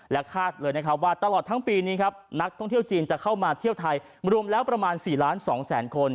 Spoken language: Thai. คาดเลยนะครับว่าตลอดทั้งปีนี้ครับนักท่องเที่ยวจีนจะเข้ามาเที่ยวไทยรวมแล้วประมาณ๔ล้าน๒แสนคน